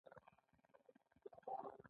کارګران د خوندیتوب قوانینو ته غاړه ږدي.